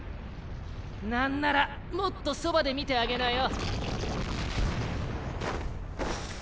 なんならもっとそばで見てあげなよ。